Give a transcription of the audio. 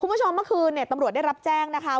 คุณผู้ชมเมื่อคืนเนี่ยตำรวจได้รับแจ้งนะคะ